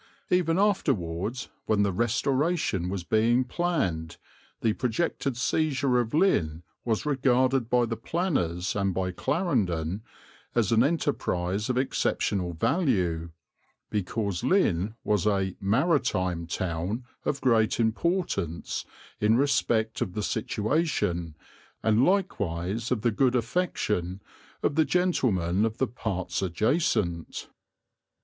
Even afterwards, when the Restoration was being planned the projected seizure of Lynn was regarded by the planners and by Clarendon as an enterprise of exceptional value because Lynn was "a Maritime Town, of great importance in respect of the Situation, and likewise of the Good Affection of the Gentlemen of the Parts adjacent."